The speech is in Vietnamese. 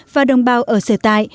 và đồng bào ở sở tài